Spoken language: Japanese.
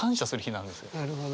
なるほど。